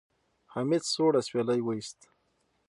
حميد سوړ اسويلی وېست.